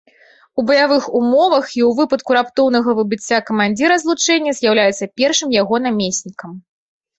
У баявых умовах і ў выпадку раптоўнага выбыцця камандзіра злучэння з'яўляецца першым яго намеснікам.